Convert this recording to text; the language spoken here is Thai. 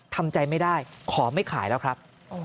ทำใจไม่ได้ขอไม่ขายแล้วครับ